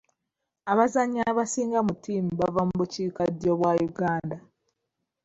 Abazannyi abasinga mu ttiimu bava mu bukiikaddyo bwa Uuganda.